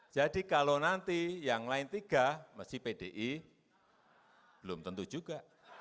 jadi kalau nanti yang lain tiga masih pdi belum tentu juga